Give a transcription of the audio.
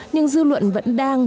nhưng dư luận vẫn đang